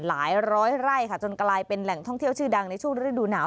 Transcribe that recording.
หลายร้อยไร่ค่ะจนกลายเป็นแหล่งท่องเที่ยวชื่อดังในช่วงฤดูหนาว